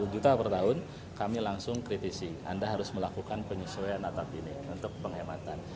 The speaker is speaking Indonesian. satu juta per tahun kami langsung kritisi anda harus melakukan penyesuaian atap ini untuk penghematan